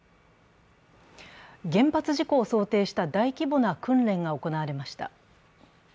原発事故を想定した大規模な訓練が行われました。